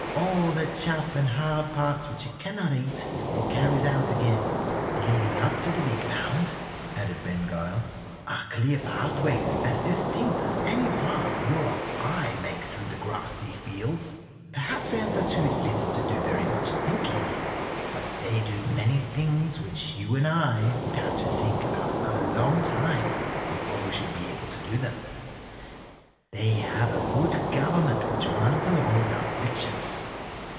All the chaff and hard parts which it cannot eat it carries out again." "Leading up to the big mound," added Ben Gile, "are clear pathways as distinct as any path you or I make through the grassy fields. Perhaps ants are too little to do very much thinking, but they do many things which you and I would have to think about a long time before we should be able to do them. They have a good government which runs along without friction.